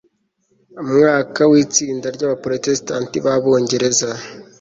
mwaka wa itsinda ry abaporotesitanti b abongereza